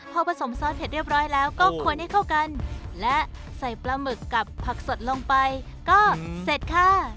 พอผสมซอสเสร็จเรียบร้อยแล้วก็ควรให้เข้ากันและใส่ปลาหมึกกับผักสดลงไปก็เสร็จค่ะ